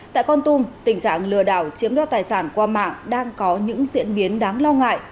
tại con tum tình trạng lừa đảo chiếm đo tài sản qua mạng đang có những diễn biến đáng lo ngại